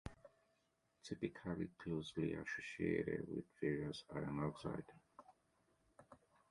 Typically closely associated with various iron oxides.